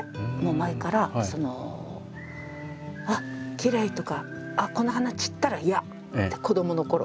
前からその「あっきれい」とか「この花散ったら嫌」って子どものころ。